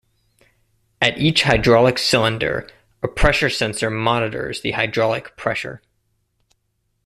At each hydraulic cylinder, a pressure sensor monitors the hydraulic pressure.